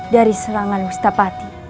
dari serangan ustapati